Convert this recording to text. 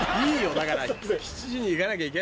だから。